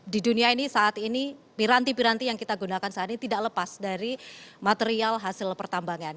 di dunia ini saat ini piranti piranti yang kita gunakan saat ini tidak lepas dari material hasil pertambangan